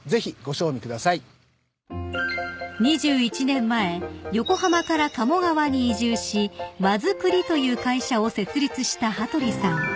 ［２１年前横浜から鴨川に移住しわづくりという会社を設立した羽鳥さん］